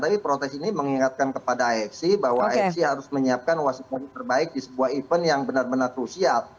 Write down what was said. tapi protes ini mengingatkan kepada afc bahwa afc harus menyiapkan wasit wasit terbaik di sebuah event yang benar benar krusial